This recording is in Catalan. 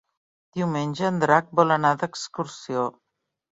Diumenge en Drac vol anar d'excursió.